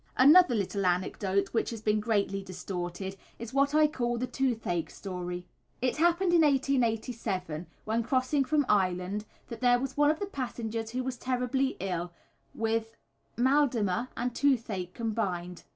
Another little anecdote which has been greatly distorted is what I call the toothache story. It happened in 1887, when crossing from Ireland, that there was one of the passengers who was terribly ill with mal de mer and toothache combined.